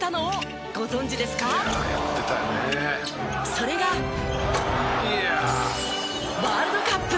それがワールドカップ。